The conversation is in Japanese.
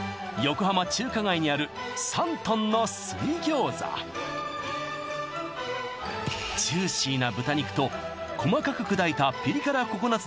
横浜中華街にあるジューシーな豚肉と細かく砕いたピリ辛ココナッツ